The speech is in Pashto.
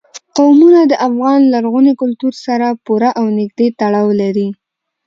قومونه د افغان لرغوني کلتور سره پوره او نږدې تړاو لري.